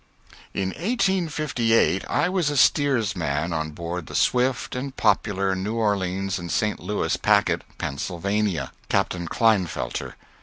In 1858 I was a steersman on board the swift and popular New Orleans and St. Louis packet, "Pennsylvania," Captain Kleinfelter.